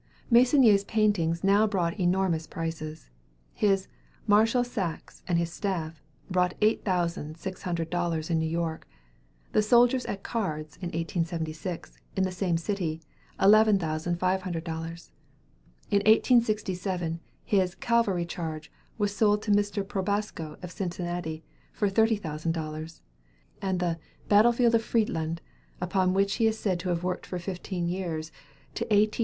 Meissonier's paintings now brought enormous prices. His "Marshal Saxe and his Staff" brought eight thousand six hundred dollars in New York; the "Soldiers at Cards," in 1876, in the same city, eleven thousand five hundred dollars; in 1867, his "Cavalry Charge" was sold to Mr. Probasco of Cincinnati, for thirty thousand dollars; and the "Battle of Friedland," upon which he is said to have worked fifteen years, to A. T.